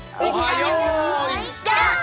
よいどん」！